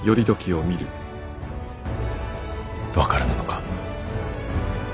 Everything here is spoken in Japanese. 分からぬのか。